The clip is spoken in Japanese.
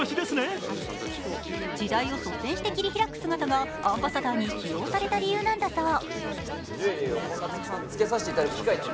時代を率先して切り開く姿がアンバサダーに起用された理由なんだそう。